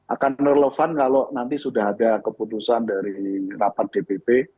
akan relevan kalau nanti sudah ada keputusan dari rapat dpp